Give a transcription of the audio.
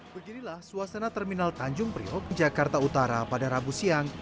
beginilah suasana terminal tanjung priok jakarta utara pada rabu siang